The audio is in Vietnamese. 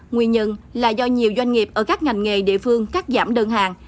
nguyên nhân là do nhiều doanh nghiệp ở các ngành nghề địa phương cắt giảm đơn hàng